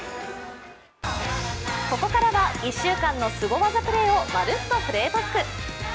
ここからは１週間のすご技プレーをまるっとプレーバック。